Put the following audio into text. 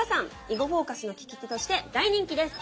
「囲碁フォーカス」の聞き手として大人気です。